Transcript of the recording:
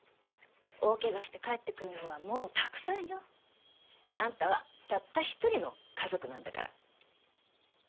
大怪我して帰ってくるのはもうたくさんよ。あんたはたった一人の家族なんだから。